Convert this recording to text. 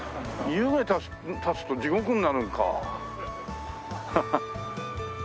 湯気立つと地獄になるのか。